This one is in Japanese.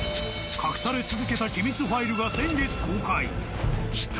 隠され続けた機密ファイルが先月公開。